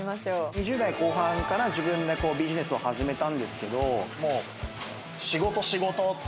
２０代後半から自分でビジネスを始めたんですけどもう仕事仕事。